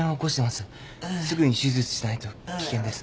すぐに手術しないと危険です。